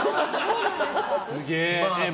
すげえ。